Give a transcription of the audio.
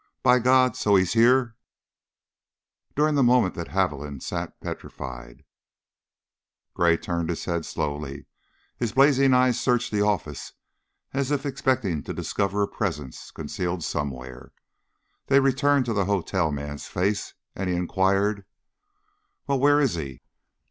By God! So! He's here!" During the moment that Haviland sat petrified, Gray turned his head slowly, his blazing eyes searched the office as if expecting to discover a presence concealed somewhere; they returned to the hotel man's face, and he inquired: "Well, where is he?"